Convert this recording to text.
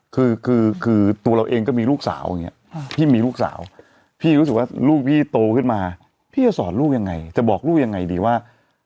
คือคือตัวเราเองก็มีลูกสาวอย่างนี้พี่มีลูกสาวพี่รู้สึกว่าลูกพี่โตขึ้นมาพี่จะสอนลูกยังไงจะบอกลูกยังไงดีว่า